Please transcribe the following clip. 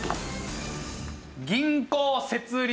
「銀行設立」！